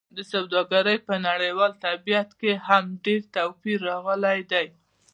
د سوداګرۍ په نړیوال طبیعت کې هم ډېر توپیر راغلی دی.